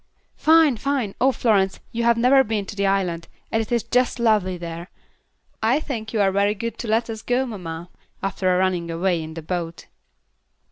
"Fine! fine! Oh, Florence, you have never been to the island, and it is just lovely there. I think you are very good to let us go, mamma, after our running away in a boat."